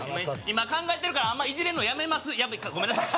今考えてるからあんまいじれんのやめますやごめんなさい